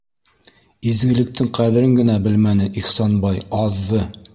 Изгелектең ҡәҙерен генә белмәне Ихсанбай, аҙҙы.